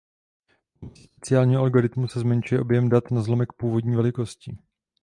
Pomocí speciálního algoritmu se zmenšuje objem dat na zlomek původní velikosti.